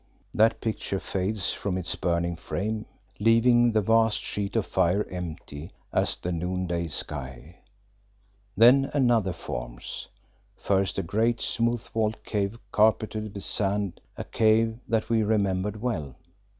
That picture fades from its burning frame, leaving the vast sheet of fire empty as the noonday sky. Then another forms. First a great, smooth walled cave carpeted with sand, a cave that we remembered well.